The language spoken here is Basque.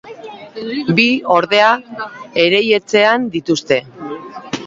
Bi, ordea, erietxean dituzte.